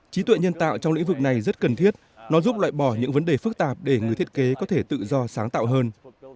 trí tuệ nhân tạo trong lĩnh vực này rất cần thiết nó giúp loại bỏ những vấn đề phức tạp để người thiết kế có thể tự do sáng tạo hơn